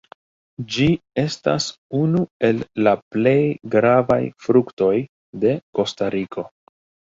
Ĝi estas unu el la plej gravaj fruktoj de Kostariko.